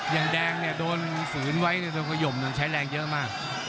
อย่างแดงเนี่ยโดนศูนย์ไว้ตรงขยมมันใช้แรงเยอะมาก